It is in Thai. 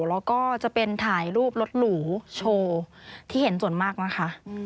แล้วก็จะเป็นถ่ายรูปรถหรูโชว์ที่เห็นส่วนมากนะคะ